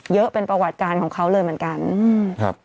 เยอะเป็นประวัติการของเขาเลยเหมือนกันครับ